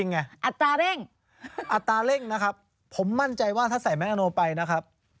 นะอัตราเร่งนะครับผมมั่นใจว่าถ้าใส่แม็กอัโนไปนะครับ